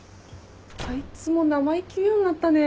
あいつも生意気言うようになったね。